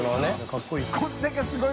かっこいい。